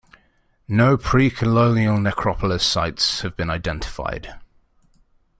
No pre-colonial necropolis sites have been identified.